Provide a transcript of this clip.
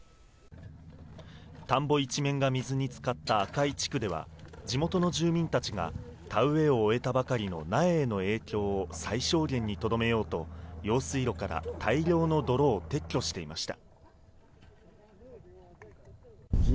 田んぼ一面が水に浸かった赤井地区では、地元の住民たちが田植えを終えたばかりの苗への影響を最小限にとどめようと、用水路から大量の泥を撤去していました。